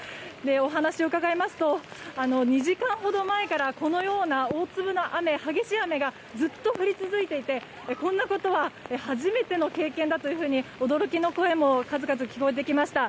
お話を伺いますと２時間ほど前からこのような大粒の雨激しい雨がずっと降り続いていてこんなことは初めての経験だというふうに驚きの声も数々聞こえてきました。